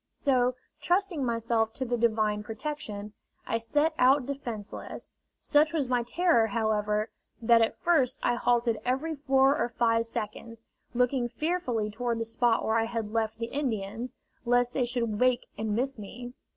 So, trusting myself to the Divine protection, I set out defenceless. Such was my terror, however, that at first I halted every four or five yards, looking fearfully toward the spot where I had left the Indians, lest they should wake and miss me.